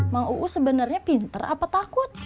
mang u sebenarnya pinter apa takut